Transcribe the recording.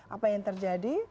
apa yang terjadi